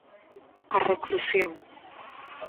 A reclusión.